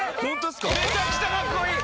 めちゃくちゃかっこいい！